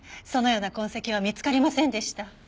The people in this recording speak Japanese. そのような痕跡は見つかりませんでした。